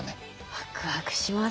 ワクワクしますね。